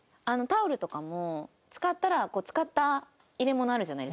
タオルとかも使ったら使った入れ物あるじゃないですか。